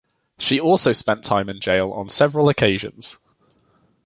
She also spent time in jail on several occasions.